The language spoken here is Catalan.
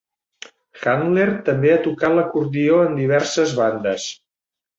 Handler també ha tocat l'acordió en diverses bandes.